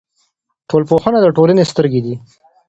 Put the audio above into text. ټولنپوهنه د ټولنې سترګې دي.